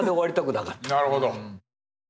なるほど。